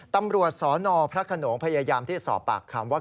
ตำรวจสนพระขนงพยายามที่สอบปากคำว่า